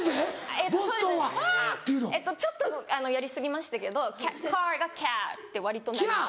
えっとちょっとやり過ぎましたけど「カー」が「キャー」って割となります。